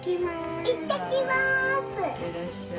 ・いってらっしゃい